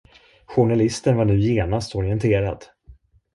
Journalisten var nu genast orienterad.